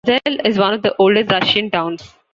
Suzdal is one of the oldest Russian towns.